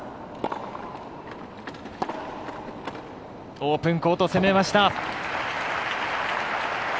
オープンコート攻めました。